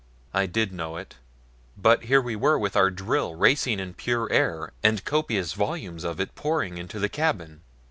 I did know it; but here we were with our drill racing in pure air, and copious volumes of it pouring into the cabin.